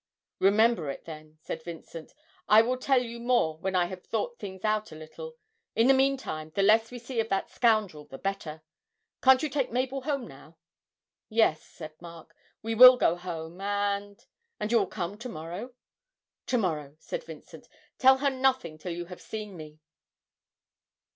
'Remember it, then,' said Vincent. 'I will tell you more when I have thought things out a little. In the meantime, the less we see of that scoundrel the better. Can't you take Mabel home now?' 'Yes,' said Mark, 'we will go home, and and you will come to morrow?' 'To morrow,' said Vincent. 'Tell her nothing till you have seen me!'